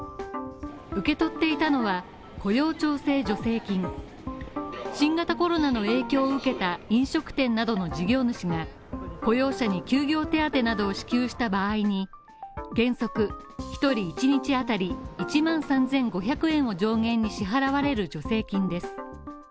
受け取っていたのは、雇用調整助成金新型コロナの影響を受けた飲食店などの事業主が雇用者に休業手当などを支給した場合に、原則１人１日当たり１万３５００円を上限に支払われる助成金です。